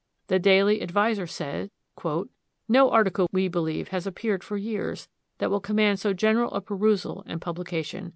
The Daily Advertiser said: "No article, we believe, has appeared for years, that will command so general a perusal and publication.